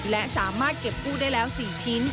และสามารถเก็บกู้ได้แล้ว๔ชิ้น